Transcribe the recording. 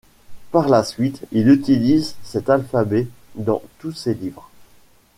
Par la suite, il utilise cet alphabet dans tous ses livres.